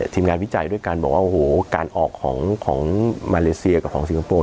ทีมงานวิจัยด้วยการบอกว่าโอ้โหการออกของมาเลเซียกับของสิงคโปร์